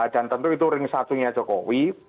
dan tentu itu ring satunya jokowi